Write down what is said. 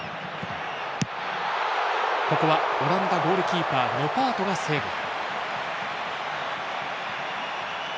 ここはオランダゴールキーパーノパートがセーブ。